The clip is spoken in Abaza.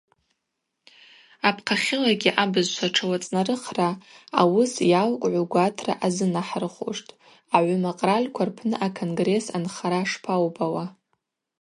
Апхъахьылагьи абызшва тшауацӏнарыхра ауыс йалкӏгӏу гватра азынахӏырхуштӏ. – Агӏвыма къральква рпны а-Конгресс анхара шпаубауа?